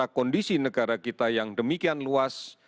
karena kondisi negara kita yang demikian luas